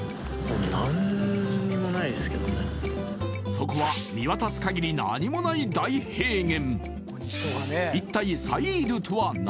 そこは見渡す限り何もない大平原